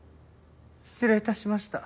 失礼致しました。